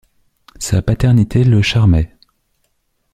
Sa paternité le charmait.